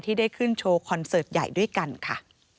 ได้ขึ้นโชว์คอนเสิร์ตใหญ่ด้วยกันค่ะ